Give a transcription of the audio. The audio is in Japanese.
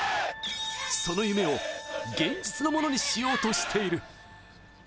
その夢を現実のものにしようとしている。